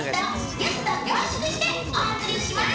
ぎゅっと凝縮してお届けします。